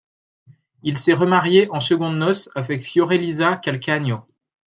Il s'est remarié en secondes noces avec Fiorelisa Calcagno.